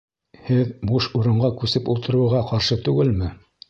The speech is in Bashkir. Һеҙ буш урынға күсеп ултырыуға ҡаршы түгелме?